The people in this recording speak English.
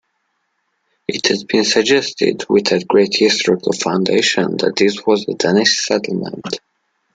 It has been suggested, without great historical foundation, that this was a Danish settlement.